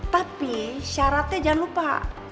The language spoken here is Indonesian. tapi syaratnya jangan lupa